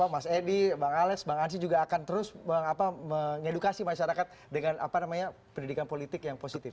mas edi bang alex bang ansyi juga akan terus mengedukasi masyarakat dengan pendidikan politik yang positif